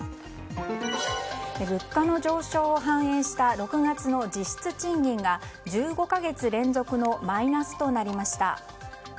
物価の上昇を反映した６月の実質賃金が１５か月連続のマイナスとなりました。